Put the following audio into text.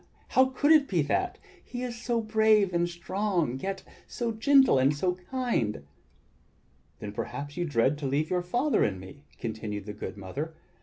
How could it be that? He is so brave and strong, yet so gentle and so kind!" "Then perhaps you dread to leave your father and me," continued the good mother.